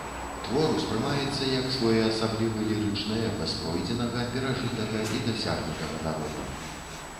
Твор успрымаецца як своеасаблівы лірычны эпас пройдзенага, перажытага і дасягнутага народам.